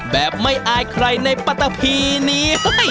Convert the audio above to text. แบบไม่อายใครในปัตตะพีนี้